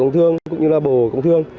công thương cũng như là bộ công thương